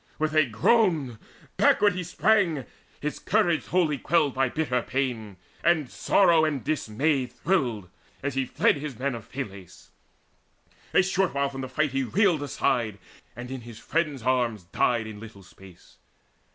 With a groan Backward he sprang, his courage wholly quelled By bitter pain; and sorrow and dismay Thrilled, as he fled, his men of Phylace. A short way from the fight he reeled aside, And in his friends' arms died in little space.